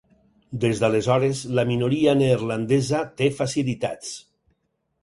Des d'aleshores, la minoria neerlandesa té facilitats.